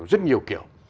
rất nhiều kiểu